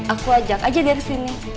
aku ajak aja dari sini